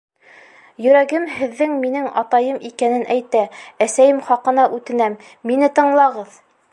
— Йөрәгем һеҙҙең минең атайым икәнен әйтә, әсәйем хаҡына үтенәм, мине тыңлағыҙ!